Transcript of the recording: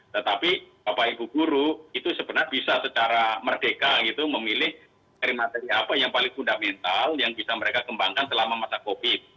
tetapi bapak ibu guru itu sebenarnya bisa secara merdeka gitu memilih materi materi apa yang paling fundamental yang bisa mereka kembangkan selama masa covid